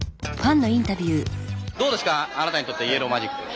どうですかあなたにとってイエロー・マジック？